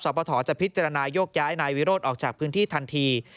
ปฐจะพิจารณายกย้ายนายวิโรธออกจากพื้นที่ทันที